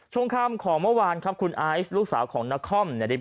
ชงคำของเมื่อวานครับคุณอาอิสลูกสาวของนครมัน